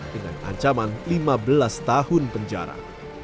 dengan ancaman lima belas tahun penjara